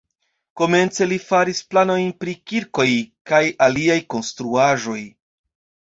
Komence li faris planojn pri kirkoj kaj aliaj konstruaĵoj.